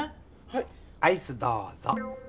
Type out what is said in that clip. はいアイスどうぞ！